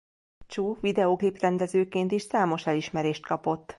Chou videóklip-rendezőként is számos elismerést kapott.